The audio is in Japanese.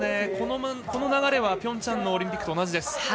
この流れはピョンチャンオリンピックと同じです。